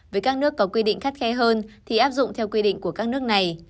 với các nước có quy định khắt khe hơn thì áp dụng theo quy định của các nước này